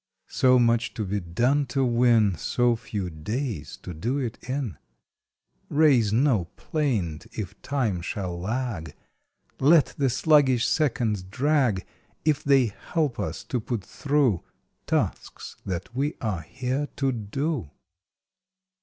"So much to be done to win! So few days to do it in!" Raise no plaint if Time shall lag. Let the sluggish seconds drag If they help us to put through Tasks that we are here to do!